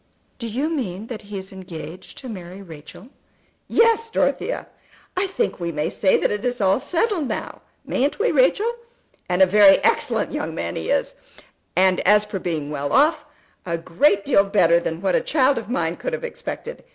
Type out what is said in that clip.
"Do you mean that he is engaged to marry Rachel?" "Yes, Dorothea. I think we may say that it is all settled now; mayn't we, Rachel? And a very excellent young man he is, and as for being well off, a great deal better than what a child of mine could have expected.